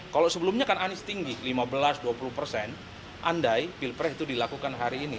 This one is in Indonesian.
kalau sebelumnya kan anies tinggi lima belas dua puluh persen andai pilpres itu dilakukan hari ini